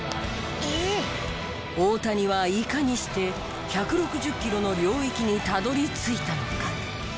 大谷はいかにして１６０キロの領域にたどり着いたのか？